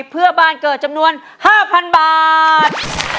เพื่อบ้านเกิดจำนวน๕๐๐๐บาท